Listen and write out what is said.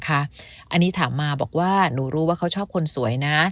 อันนี้ถามมาบอกว่าหนูรู้ว่าเขาชอบคนสวยนะ